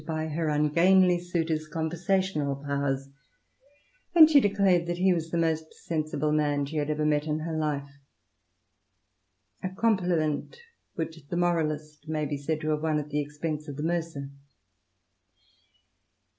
by her ungainly suitor's conversational powers, and she declared that he was the most sensible man she had ever met in her life — a compliment which the moralist may be said to have won at the expense of the mercer.